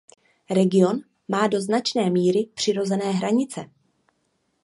Region má do značné míry přirozené hranice.